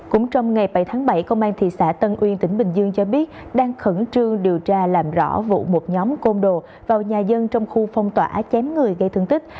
cũng trong ngày bảy tháng bảy công an thị xã tân uyên tỉnh bình dương cho biết đang khẩn trương điều tra làm rõ vụ một nhóm côn đồ vào nhà dân trong khu phong tỏa chém người gây thương tích